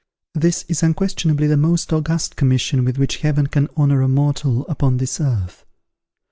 This is, unquestionably, the most august commission with which Heaven can honour a mortal upon this earth.